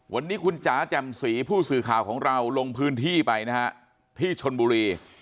วันนี้คุณจ๋าแจ่มสีผู้สื่อข่าวของเราลงพื้นที่ไปนะฮะที่ชนบุรี